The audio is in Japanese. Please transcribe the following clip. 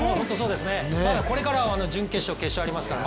まだこれから、準決勝決勝とありますからね